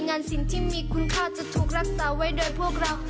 งานสินที่มีคุณค่าจะถูกรักษาไว้โดยพวกเรา